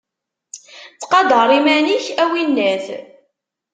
Ttqadar iman-ik, a winnat!